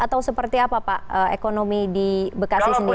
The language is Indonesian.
atau seperti apa pak ekonomi di bekasi sendiri